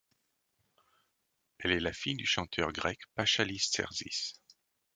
Elle est la fille du chanteur grec Paschalis Terzis.